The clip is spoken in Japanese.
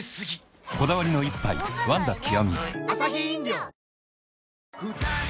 こだわりの一杯「ワンダ極」